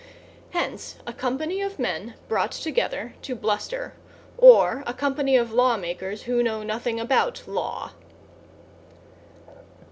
Hence, a company of men brought together to bluster, or a company of law makers who know nothing about law.